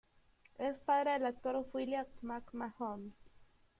Es padre del actor Julian McMahon.